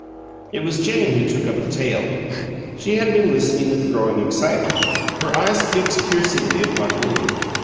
It was Jane who took up the tale. She had been listening with growing excitement, her eyes fixed piercingly upon William.